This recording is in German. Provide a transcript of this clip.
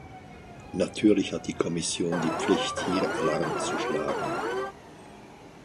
Natürlich hat die Kommission die Pflicht, hier Alarm zu schlagen.